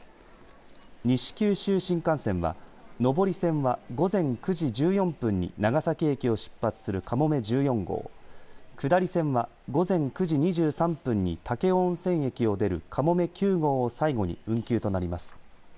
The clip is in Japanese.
西九州新幹線は上り線は午前９時１４分に長崎駅を出発するかもめ１４号下り線は午前９時２３分に武雄温泉駅を出るかもめ９号を最後に運休となります。